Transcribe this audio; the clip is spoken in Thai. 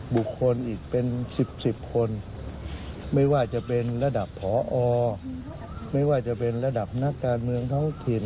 บุคคลอีกเป็น๑๐๑๐คนไม่ว่าจะเป็นระดับพอไม่ว่าจะเป็นระดับนักการเมืองท้องถิ่น